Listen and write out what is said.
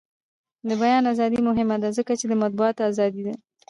د بیان ازادي مهمه ده ځکه چې د مطبوعاتو ازادي ده.